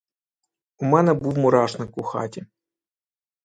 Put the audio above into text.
У мене був мурашник у хаті.